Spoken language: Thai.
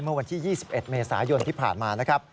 เมื่อวันที่๒๑เมษายนที่ผ่านมา